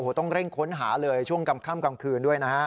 โอ้โหต้องเร่งค้นหาเลยช่วงกล้ำข้ำกล้ำคืนด้วยนะฮะ